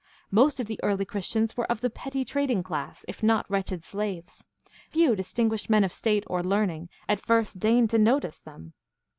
Most of the early Christians were of the petty trading class, if not wretched slaves. Few dis tinguished men of state or learning at first deigned to notice them.